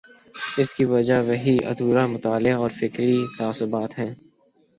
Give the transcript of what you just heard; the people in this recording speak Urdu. اس کی وجہ وہی ادھورا مطالعہ اور فکری تعصبات ہیں۔